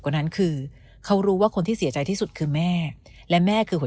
กว่านั้นคือเขารู้ว่าคนที่เสียใจที่สุดคือแม่และแม่คือหัว